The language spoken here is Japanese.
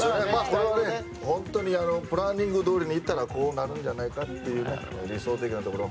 これは本当にプランニングどおりになればこうなるんじゃないかっていう理想的なところ